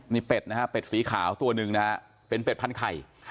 นี่เป็ดนะฮะเป็ดสีขาวตัวหนึ่งนะฮะเป็นเป็ดพันไข่